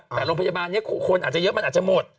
แต่โรงพยาบาลนี้คนอาจจะเยอะมันอาจจะหมด